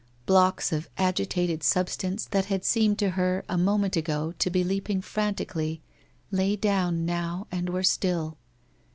... Blocks of agitated substance, that had seemed to her, a moment ago, to be leaping frantically, lay down now, and were still.